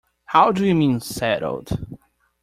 How do you mean, settled?